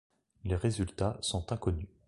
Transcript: Les résultats sont inconnus.